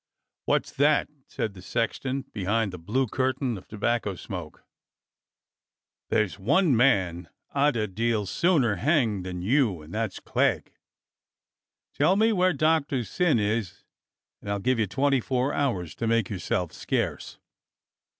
"What's that?" said the sexton behind the blue cur tain of tobacco smoke. "There's one man I'd a deal sooner hang than you, and that's Clegg. Tell me where Doctor Syn is and I'll give you twenty four hours to make yourself scarce."